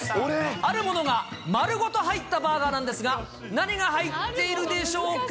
あるものが丸ごと入ったバーガーなんですが、何が入っているでしょうか。